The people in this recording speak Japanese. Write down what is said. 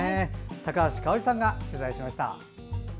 高橋香央里さんが取材しました。